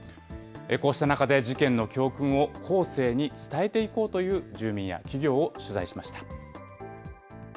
こうした中で事件の教訓を後世に伝えていこうという住民や企業を取材しました。